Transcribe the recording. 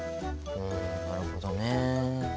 うんなるほどね。